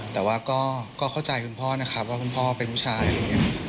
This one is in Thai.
แต่ว่าก็เข้าใจคุณพ่อนะคะว่าคุณพ่อเป็นผู้ชายแบบนี้